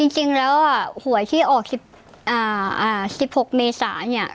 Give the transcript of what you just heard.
จริงแล้วหวยที่ออก๑๖เมษาเนี่ย